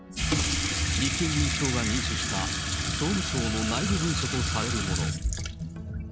立憲民主党が入手した、総務省の内部文書とされるもの。